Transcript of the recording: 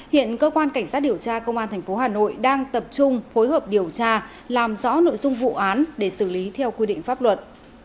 hiện cơ quan cảnh sát điều tra công an tp hà nội đang tập trung phối hợp điều tra làm rõ nội dung vụ án để xử lý theo quy định pháp luật